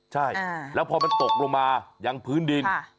ใช่แล้วพอมันตกลงมายังพื้นดิน